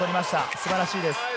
素晴らしいです。